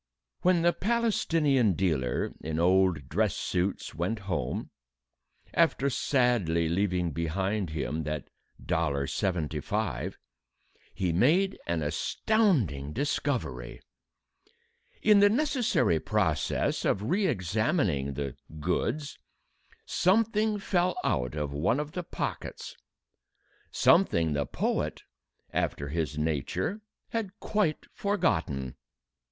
When the Palestinian dealer in old dress suits went home after sadly leaving behind him that dollar seventy five he made an astonishing discovery. In the necessary process of re examining the "goods," something fell out of one of the pockets, something the poet, after his nature, had quite forgotten.